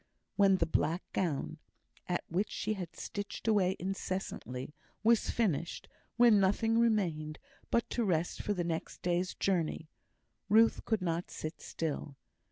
When the black gown, at which she had stitched away incessantly, was finished when nothing remained but to rest for the next day's journey Ruth could not sit still.